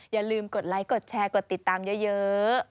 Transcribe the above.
อย่าลืมกดไลค์กดแชร์กดติดตามเยอะ